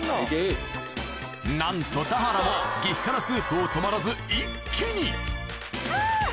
・なんと田原も激辛スープを止まらず一気にはぁ！